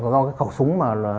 do cái khẩu súng